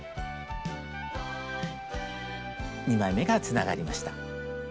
２枚めがつながりました。